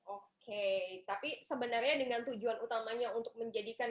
oke tapi sebenarnya dengan tujuan utamanya untuk menjadikan